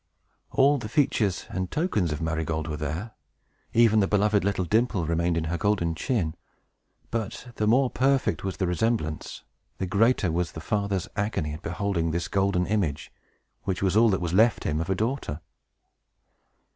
All the features and tokens of Marygold were there; even the beloved little dimple remained in her golden chin. But the more perfect was the resemblance, the greater was the father's agony at beholding this golden image, which was all that was left him of a daughter.